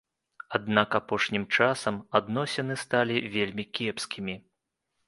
Аднак апошнім часам адносіны сталі вельмі кепскімі.